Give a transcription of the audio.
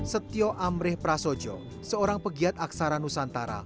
setio amreh prasojo seorang pegiat aksara nusantara